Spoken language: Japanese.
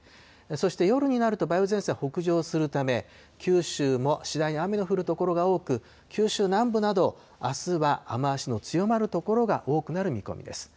そして夜になると、梅雨前線が北上するため、九州も次第に雨の降る所が多く、九州南部など、あすは雨足の強まる所が多くなる見込みです。